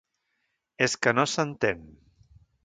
És que no s’entén.